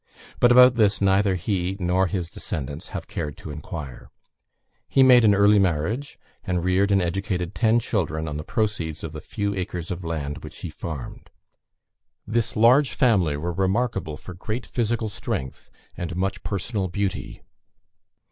But about this neither he nor his descendants have cared to inquire. He made an early marriage, and reared and educated ten children on the proceeds of the few acres of land which he farmed. This large family were remarkable for great physical strength, and much personal beauty.